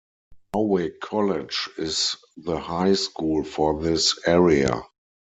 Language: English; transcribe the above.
Howick College is the high school for this area.